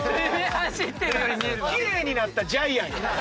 奇麗になったジャイアンや。